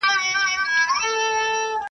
هره ورځ به دي تور مار بچي څارله -